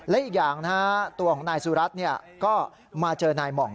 และอีกอย่างนะฮะตัวของนายสุรัตน์ก็มาเจอนายหม่อง